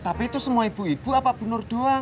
tapi itu semua ibu ibu apa bunur doang